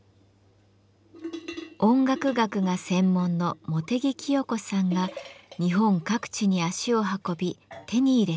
音楽学が専門の茂手木潔子さんが日本各地に足を運び手に入れた鈴。